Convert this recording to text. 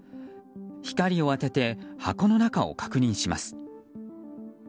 光を当てて箱の中を確認します。